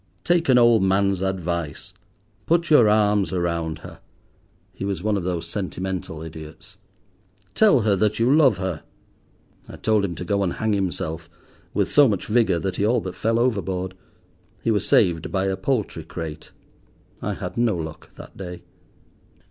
"Take an old man's advice. Put your arms around her." (He was one of those sentimental idiots.) "Tell her that you love her." I told him to go and hang himself, with so much vigour that he all but fell overboard. He was saved by a poultry crate: I had no luck that day.